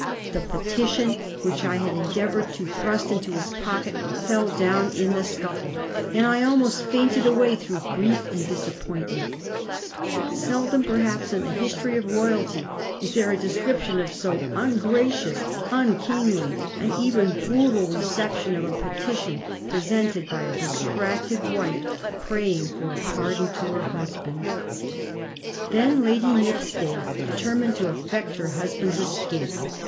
' The petition, Digiti zed by Google 1716. THIS MOST CONSTANT WIFE. 183 which I had endeavoured to thrust into his pocket, fell down in the scuffle, and I almost fainted away through grief and disappointment/ Seldom, perhaps, in the history of royalty, is there a description of so ungracious, unkingly, and even brutal reception of a petition presented by a distracted wife praying for a pardon to her husband. Then Lady Nithisdale determined to effect her husband's escape.